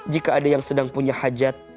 jika ada yang sedang punya hajat